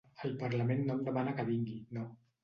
El parlament no em demana que vingui, no.